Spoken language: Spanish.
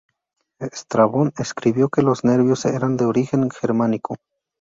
Estrabón escribió que los nervios eran de origen germánico.